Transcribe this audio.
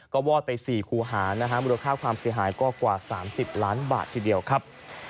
ก็วอดไป๔คูหานะฮะมูลค่าความเสียหายก็กว่า๓๐ล้านบาททีเดียวครับ